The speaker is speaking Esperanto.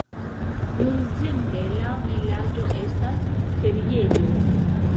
Nuntempe la vilaĝo estas feriejo.